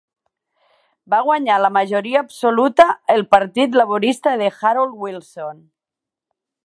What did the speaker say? Va guanyar per majoria absoluta el Partit Laborista de Harold Wilson.